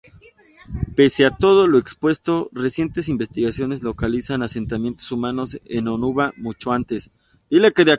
Pese a todo lo expuesto, recientes investigaciones localizan asentamientos humanos en Onuba mucho antes.